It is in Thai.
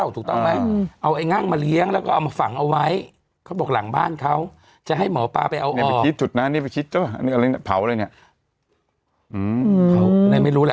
เธอเคยมาตอนรายการมูลไนท์หรือเปล่าแม่